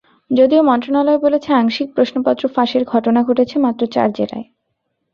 যদিও মন্ত্রণালয় বলেছে, আংশিক প্রশ্নপত্র ফাঁসের ঘটনা ঘটেছে মাত্র চার জেলায়।